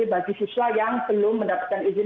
bagi siswa yang belum mendapatkan izin